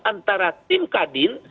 antara tim kadin